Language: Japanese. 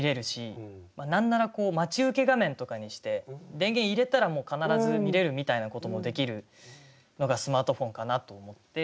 何なら待ち受け画面とかにして電源入れたらもう必ず見れるみたいなこともできるのがスマートフォンかなと思って。